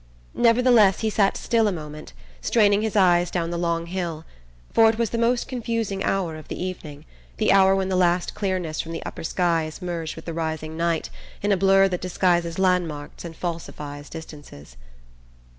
Nevertheless he sat still a moment, straining his eyes down the long hill, for it was the most confusing hour of the evening, the hour when the last clearness from the upper sky is merged with the rising night in a blur that disguises landmarks and falsifies distances.